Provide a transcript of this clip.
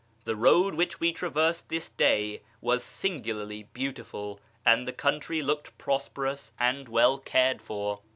The road which we traversed this day was singularly beautiful, and the country looked prosperous and well cared for.